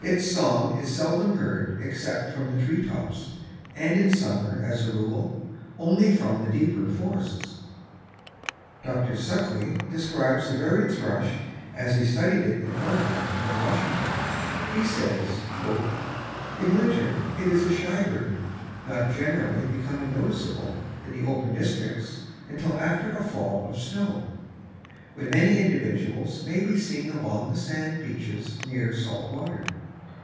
Its song is seldom heard except from the tree tops, and in summer, as a rule, only from the deeper forests. Dr. Suckley describes the Varied Thrush as he studied it in Oregon and Washington. He says: "In winter it is a shy bird, not generally becoming noticeable in the open districts until after a fall of snow, when many individuals may be seen along the sand beaches near salt water.